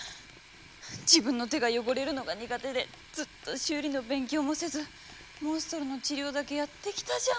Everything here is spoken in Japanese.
自分の手が汚れるのが苦手でずっと修理の勉強もせずモンストロの治療だけやってきたじゃん！